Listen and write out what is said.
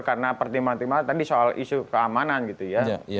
karena pertimbangan pertimbangan tadi soal isu keamanan gitu ya